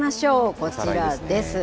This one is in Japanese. こちらです。